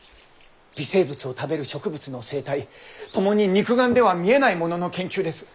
微生物を食べる植物の生態ともに肉眼では見えないものの研究です。